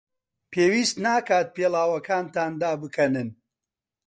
پێویست ناکات پێڵاوەکانتان دابکەنن.